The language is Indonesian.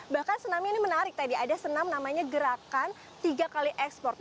bahkan tsunami ini menarik tadi ada senam namanya gerakan tiga kali ekspor